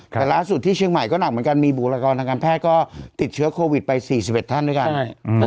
แต่ล่าสุดที่เชียงใหม่ก็หนักเหมือนกันมีบุคลากรทางการแพทย์ก็ติดเชื้อโควิดไป๔๑ท่านด้วยกัน